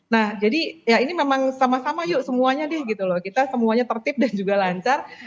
nah jadi ya ini memang sama sama yuk semuanya deh gitu loh kita semuanya tertib dan juga lancar